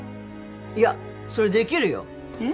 いやそれできるよえっ？